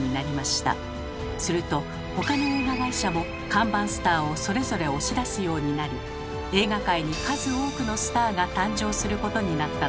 すると他の映画会社も看板スターをそれぞれ押し出すようになり映画界に数多くのスターが誕生することになったのです。